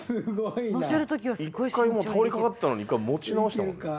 一回もう倒れかかったのに一回持ち直したもんね。